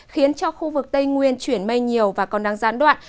khiến cho khu vực tây nguyên chuyển mây nhiều và còn đang giãn đoạn